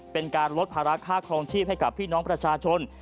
เป็นการลดภาระค่าครองชีพให้กับพี่น้องประชาชน